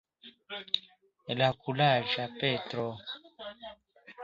La kuraĝa Petro.